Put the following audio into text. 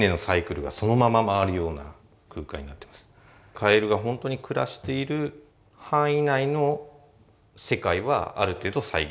カエルがほんとに暮らしている範囲内の世界はある程度再現できていると。